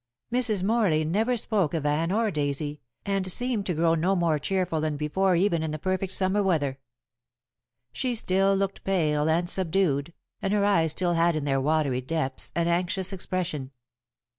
Mrs. Morley never spoke of Anne or Daisy, and seemed to grow no more cheerful than before even in the perfect summer weather. She still looked pale and subdued, and her eyes still had in their watery depths an anxious expression.